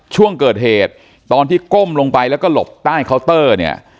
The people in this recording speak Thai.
ช่วงเกิดเหตุตอนที่ก้มลงไปแล้วก็หลบใต้เคาน์เตอร์เนี่ย